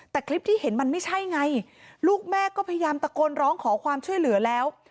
แต่คลิปที่เห็นมันไม่ใช่ไงลูกแม่ก็พยายามตะโกนร้องขอความช่วยเหลือแล้ว